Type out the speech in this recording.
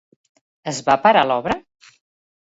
Es va parar l'obra?